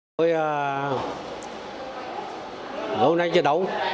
tôi lâu nay chưa đấu